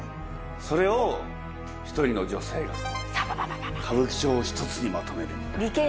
それを１人の女性が歌舞伎町を１つにまとめるみたいな。